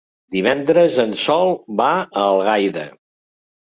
Divendres en Sol va a Algaida.